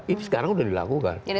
ini sekarang sudah dilakukan